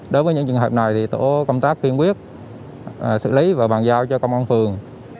đối với những trường hợp này thì tổ công tác kiên quyết xử lý và bàn giao cho công an phường